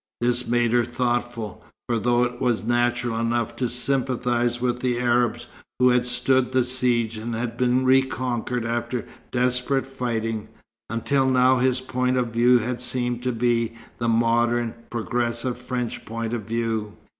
This made her thoughtful, for though it was natural enough to sympathize with the Arabs who had stood the siege and been reconquered after desperate fighting, until now his point of view had seemed to be the modern, progressive, French point of view.